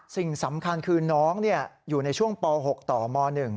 สิ่งสำคัญคือน้องอยู่ในช่วงป๖ต่อม๑